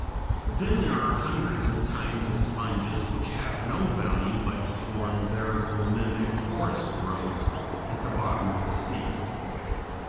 Then there are hundreds of kinds of sponges which have no value but to form veritable mimic forest growths at the bottom of the sea (Fig.